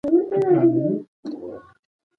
پروسس شوې ډوډۍ د روغتیا لپاره ښه نه ده.